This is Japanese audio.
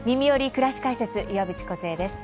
くらし解説」岩渕梢です。